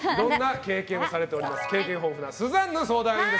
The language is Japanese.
経験豊富なスザンヌ相談員です。